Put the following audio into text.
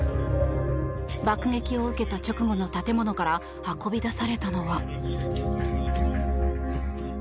爆撃を受けた直後の建物から運び出されたのは。